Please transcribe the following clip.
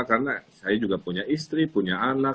karena saya juga punya istri punya anak